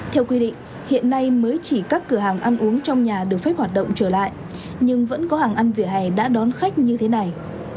theo quy định hiện nay mới chỉ các cửa hàng ăn uống trong nhà được phép hoạt động trở lại nhưng vẫn có hàng ăn vỉa hè đã đón khách như thế này